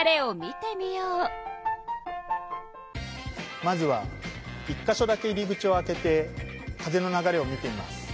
まずは１か所だけ入り口を開けて風の流れを見てみます。